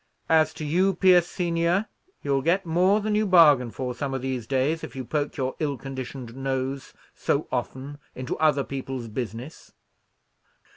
"As to you, Pierce senior, you'll get more than you bargain for, some of these days, if you poke your ill conditioned nose so often into other people's business."